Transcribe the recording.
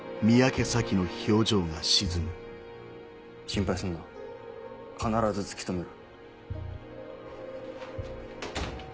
心配すんな必ず突き止める。